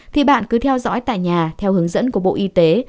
thì bạn cứ theo dõi tại nhà theo hướng dẫn của bộ y tế